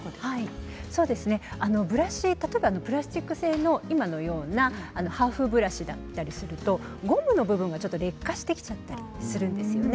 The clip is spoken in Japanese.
ブラシは例えばプラスチック製の今のようなハーフブラシだったりするとゴムの部分が劣化してきてしまったりするんですね。